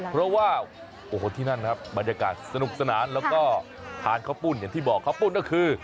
เพราะว่าโอ้โหที่นั่นครับบรรยากาศสนุกสนานแล้วก็ทานข้าวปุ้นอย่างที่บอกข้าวปุ้นก็คือ